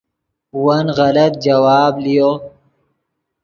ون غلط جواب لیو